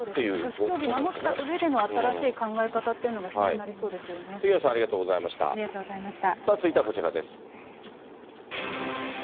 女子競技を守ったうえでの新しい考え方っていうのが必要にな杉野さん、ありがとうございありがとうございました。